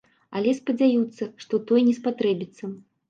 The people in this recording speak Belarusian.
Але спадзяюцца, што той не спатрэбіцца.